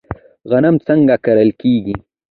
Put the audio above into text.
غنم څنګه کرل کیږي؟